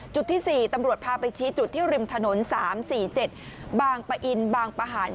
ที่๔ตำรวจพาไปชี้จุดที่ริมถนน๓๔๗บางปะอินบางประหัน